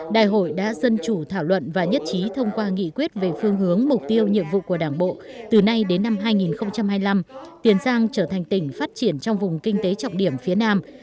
đại hội đã dân chủ thảo luận và nhất trí thông qua nghị quyết về phương hướng mục tiêu nhiệm vụ của đảng bộ từ nay đến năm hai nghìn hai mươi năm tiền giang trở thành tỉnh phát triển trong vùng kinh tế trọng điểm phía nam